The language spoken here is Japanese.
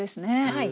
はい。